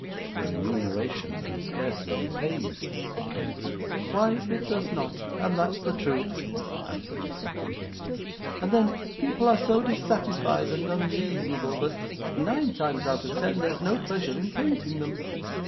'The remuneration can scarcely repay you,' said Kate. 'Why, it does not, and that's the truth,' answered Miss La Creevy; 'and then people are so dissatisfied and unreasonable, that, nine times out of ten, there's no pleasure in painting them.